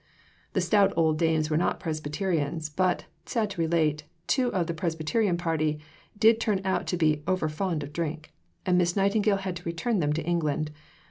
The stout old dames were not Presbyterians; but, sad to relate, two of the Presbyterian party did turn out to be over fond of drink, and Miss Nightingale had to return them to England.